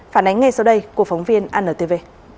phản ánh ngay sau đây của phóng viên antv